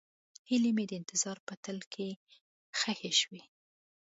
هیلې مې د انتظار په تل کې ښخې شوې.